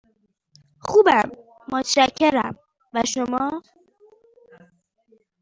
خوبم، متشکرم، و شما؟